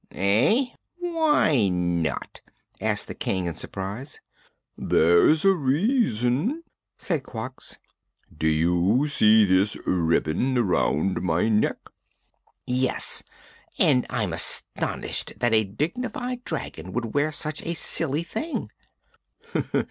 "Eh? Why not?" asked the King in surprise. "There's a reason," said Quox. "Do you see this ribbon around my neck?" "Yes; and I'm astonished that a dignified dragon should wear such a silly thing."